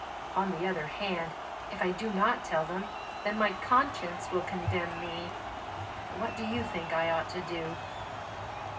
On the other hand, if I do not tell them, then my conscience will condemn me. What do you think I ought to do?"